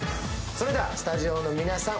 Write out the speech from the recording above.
それではスタジオの皆さん